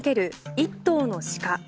１頭の鹿。